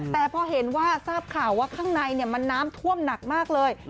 แต่พอเห็นว่าทราบข่าวว่าข้างในมันน้ำท่วมหนักมากเลย